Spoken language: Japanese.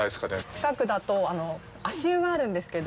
近くだと、足湯があるんですけど。